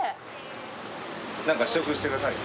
何か試食してください。